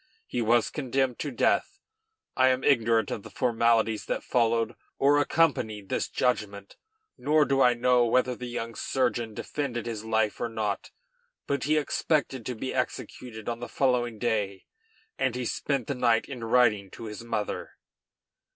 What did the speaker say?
He was condemned to death. I am ignorant of the formalities that followed or accompanied this judgment, nor do I know whether the young surgeon defended his life or not; but he expected to be executed on the following day, and he spent the night in writing to his mother.